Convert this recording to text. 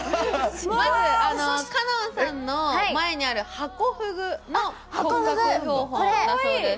香音さんの前にあるのはハコフグの骨格標本だそうです。